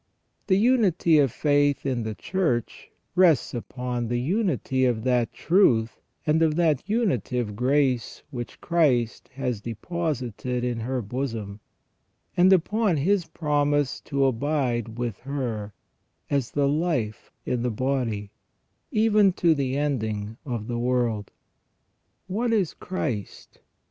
The unity of faith in the Church rests upon the unity of that truth and of that unitive grace which Christ has deposited in her bosom, and upon His promise to abide with her, as the life in the body, even to the ending of the world. What is Christ